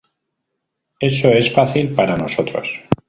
Eso es fácil para nosotros.